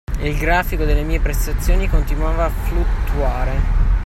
Il grafico delle mie prestazioni continuava a fluttuare.